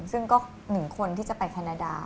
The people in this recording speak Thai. ซึ่งก็๑คนที่จะไปแคนาดา